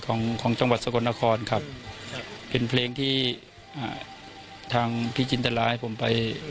ของของจังหวัดสกลนครครับเป็นเพลงที่อ่าทางพี่จินตราให้ผมไป